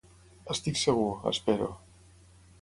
Estic segur, espero.